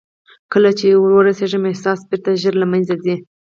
کله چې ور رسېږم احساس بېرته ژر له منځه ځي.